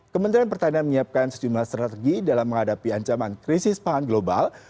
kementerian pertanian menyiapkan sejumlah strategi dalam menghadapi ancaman krisis pangan global